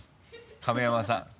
亀山さん